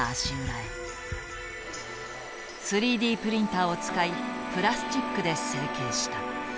３Ｄプリンターを使いプラスチックで成型した。